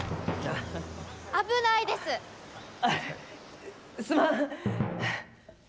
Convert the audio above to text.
あすまん！